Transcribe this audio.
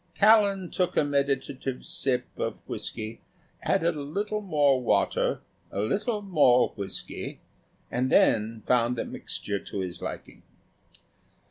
Callan took a meditative sip of whiskey, added a little more water, a little more whiskey, and then found the mixture to his liking.